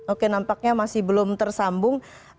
oke nampaknya masih belum tersambung